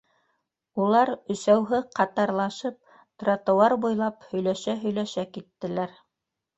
Улар өсәүһе ҡатарлашып тротуар буйлап һөйләшә-һөйләшә киттеләр.